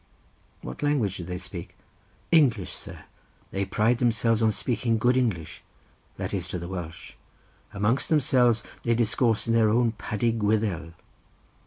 "What language do they speak?" "English, sir; they pride themselves on speaking good English, that is to the Welsh. Amongst themselves they discourse in their own Paddy Gwyddel."